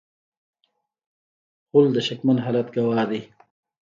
غول د شکمن حالت ګواه دی.